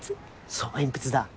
そう鉛筆だ。